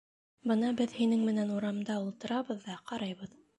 Бына беҙ һинең менән урамда ултырабыҙ ҙа ҡарайбыҙ.